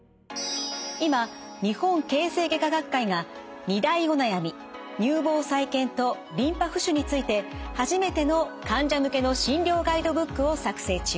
今日本形成外科学会が２大お悩み乳房再建とリンパ浮腫について初めての患者向けの診療ガイドブックを作成中。